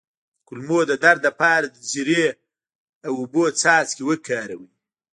د کولمو د درد لپاره د زیرې او اوبو څاڅکي وکاروئ